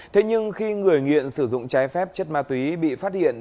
thế nhưng khi người nghiện sử dụng trái phép chất ma túy bị phát hiện